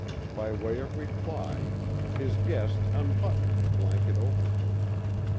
By way of reply, his guest unbuttoned the blanket overcoat.